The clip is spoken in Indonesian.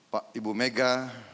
pak ibu mega